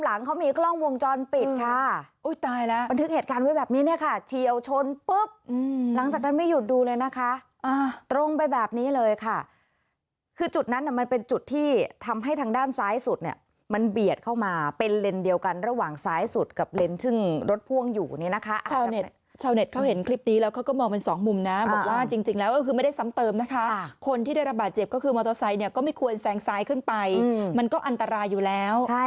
เลยนะคะตรงไปแบบนี้เลยค่ะคือจุดนั้นมันเป็นจุดที่ทำให้ทางด้านซ้ายสุดเนี่ยมันเบียดเข้ามาเป็นเลนส์เดียวกันระหว่างซ้ายสุดกับเลนส์ถึงรถพ่วงอยู่นี่นะคะชาวเน็ตชาวเน็ตเขาเห็นคลิปนี้แล้วเขาก็มองเป็นสองมุมนะบอกว่าจริงแล้วคือไม่ได้ซ้ำเติมนะคะคนที่ได้ระบาดเจ็บก็คือมอเตอร์ไซต์เนี่ยก็ไม่ควรแ